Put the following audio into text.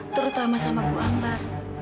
terutama sama bu ambar